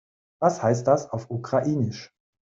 Was heißt das auf Ukrainisch?